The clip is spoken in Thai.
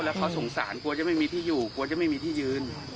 แล้วเขาสงสารกลัวจะไม่มีที่อยู่กลัวจะไม่มีที่ยืน